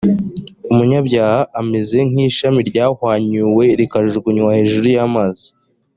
umunyabyaha ameze nk’ ishami ryahwanyuwe rikajugunywa hejuru y’ amazi